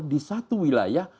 di satu wilayah